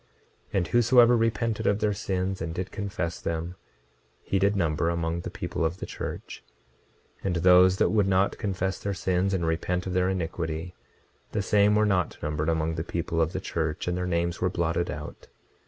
26:35 And whosoever repented of their sins and did confess them, them he did number among the people of the church; 26:36 And those that would not confess their sins and repent of their iniquity, the same were not numbered among the people of the church, and their names were blotted out.